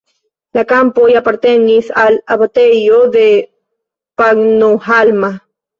La kampoj apartenis al abatejo de Pannonhalma.